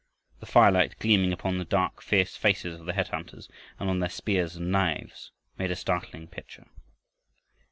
The firelight gleaming upon the dark, fierce faces of the head hunters and on their spears and knives, made a startling picture.